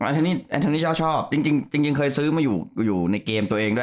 อันนี้ชอบจริงเคยซื้อมาอยู่ในเกมตัวเองด้วย